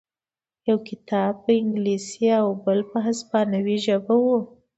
یو کتاب په انګلیسي او بل په هسپانوي ژبه و